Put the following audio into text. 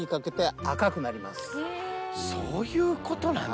そういうことなんだ。